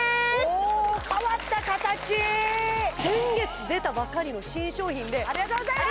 おお変わった形先月出たばかりの新商品でありがとうございます！